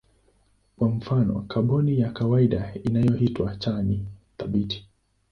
Kwa mfano kaboni ya kawaida inayoitwa C ni thabiti.